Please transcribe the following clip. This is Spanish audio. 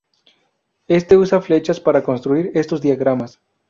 Este usa flechas para construir estos diagramas.